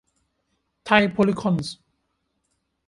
ไทยโพลีคอนส์